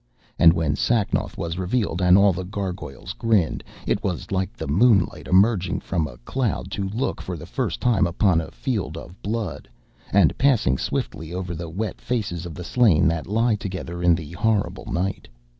And when Sacnoth was revealed and all the gargoyles grinned, it was like the moonlight emerging from a cloud to look for the first time upon a field of blood, and passing swiftly over the wet faces of the slain that lie together in the horrible night.